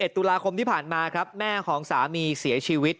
ตุลาคมที่ผ่านมาครับแม่ของสามีเสียชีวิต